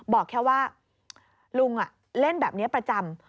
บอกแค่ว่าลุงเล่นแบบนี้ประจำ